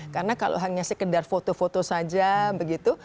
karena kalau hanya sekedar foto foto saja begitu